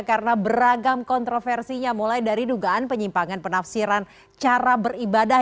karena beragam kontroversinya mulai dari dugaan penyimpangan penafsiran cara beribadah